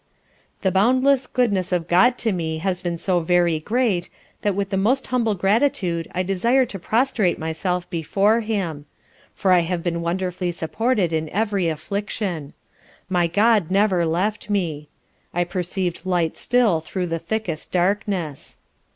The boundless goodness of GOD to me has been so very great, that with the most humble gratitude I desire to prostrate myself before Him; for I have been wonderfully supported in every affliction. My GOD never left me. I perceived light still through the thickest darkness.